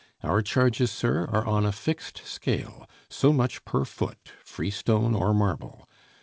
Our charges, sir, are on a fixed scale, so much per foot, freestone or marble.